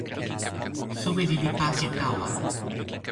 soweli li pake tawa.